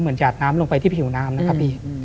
หยาดน้ำลงไปที่ผิวน้ำนะครับพี่